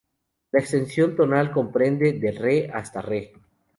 La extensión tonal comprende desde "re" hasta "re".